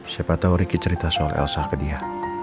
siapa tau riki cerita soal elsa ke dia